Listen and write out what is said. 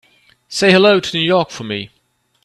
Say hello to New York for me.